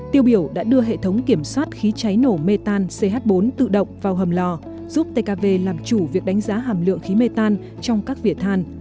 tiêu biểu đã đưa hệ thống kiểm soát khí cháy nổ mê tan ch bốn tự động vào hầm lò giúp tkv làm chủ việc đánh giá hàm lượng khí mê tan trong các vỉa than